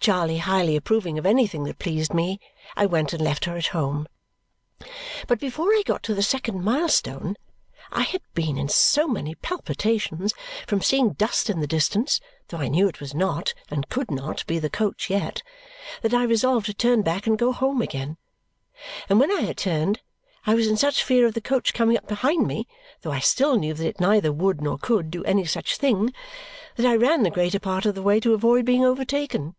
Charley highly approving of anything that pleased me, I went and left her at home. But before I got to the second milestone, I had been in so many palpitations from seeing dust in the distance (though I knew it was not, and could not, be the coach yet) that I resolved to turn back and go home again. And when I had turned, I was in such fear of the coach coming up behind me (though I still knew that it neither would, nor could, do any such thing) that I ran the greater part of the way to avoid being overtaken.